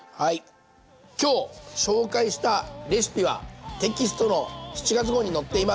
今日紹介したレシピはテキストの７月号に載っています。